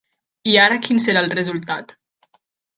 I ara quin serà el resultat?